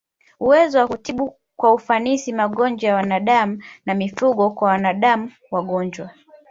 uwezo wa kutibu kwa ufanisi magonjwa ya wanadamu na mifugo Kwa wanadamu magonjwa